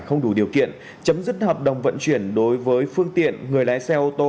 không đủ điều kiện chấm dứt hợp đồng vận chuyển đối với phương tiện người lái xe ô tô